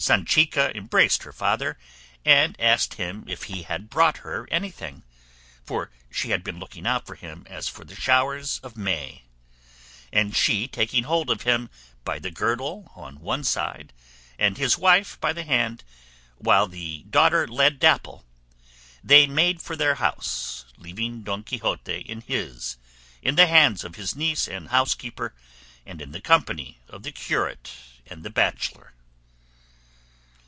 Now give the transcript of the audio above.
Sanchica embraced her father and asked him if he brought her anything, for she had been looking out for him as for the showers of May; and she taking hold of him by the girdle on one side, and his wife by the hand, while the daughter led Dapple, they made for their house, leaving Don Quixote in his, in the hands of his niece and housekeeper, and in the company of the curate and the bachelor.